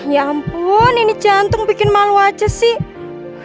ya ampun ini jantung bikin malu aja sih